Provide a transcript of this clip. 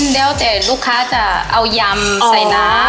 แล้วแต่ลูกค้าจะเอายำใส่น้ำ